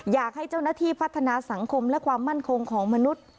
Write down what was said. อยากให้เจ้าหน้าที่พัฒนาสังคมและความมั่นคงของมนุษย์